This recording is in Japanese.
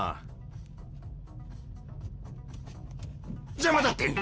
邪魔だって！